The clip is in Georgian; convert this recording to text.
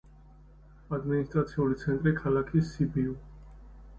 ადმინისტრაციული ცენტრი ქალაქი სიბიუ.